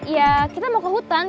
ya kita mau ke hutan